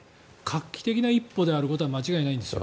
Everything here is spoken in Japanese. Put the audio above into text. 画期的な一歩であることは間違いないんですよ。